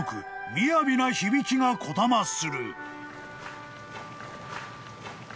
みやびな響きがこだまする］